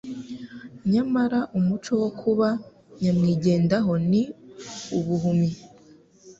Nyamara umuco wo kuba nyamwigendaho ni ubuhumyi.